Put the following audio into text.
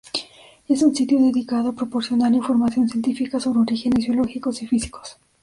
Es un sitio dedicado a proporcionar información científica sobre orígenes biológicos y físicos.